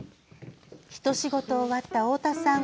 ひと仕事終わった太田さん。